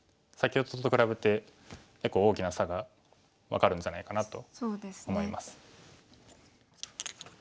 先ほどと比べて結構大きな差が分かるんじゃないかなと思います。